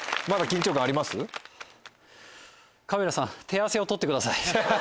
カメラさん手汗を撮ってください。